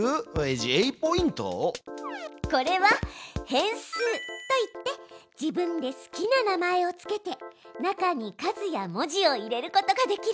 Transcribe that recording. これは変数といって自分で好きな名前を付けて中に数や文字を入れることができるの。